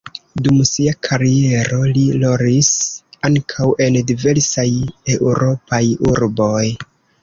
Dum sia kariero li rolis ankaŭ en diversaj eŭropaj urboj.